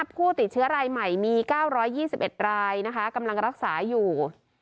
ผู้ติดเชื้อรายใหม่มี๙๒๑รายกำลังรักษาอยู่